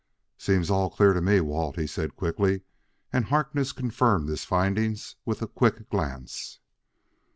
"Seems all clear to me, Walt," he said; and Harkness confirmed his findings with a quick glance.